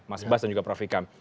mas bas dan juga prof ikam